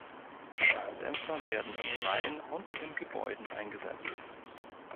Schalldämpfer werden im Freien und in Gebäuden eingesetzt.